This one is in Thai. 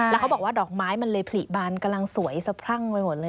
แล้วเขาบอกว่าดอกไม้มันเลยผลิบานกำลังสวยสะพรั่งไปหมดเลย